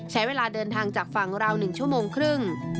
ใช้เวลาเดินทางจากฝั่งราว๑ชั่วโมงครึ่ง